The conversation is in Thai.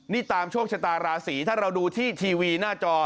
นี่ตามโชคชะตาราศีถ้าเราดูที่ทีวีหน้าจอ